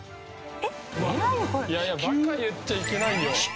いやいやバカ言っちゃいけないよ。